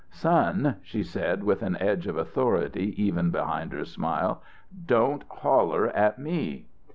"Son," she said, with an edge of authority even behind her smile, "don't holler at me."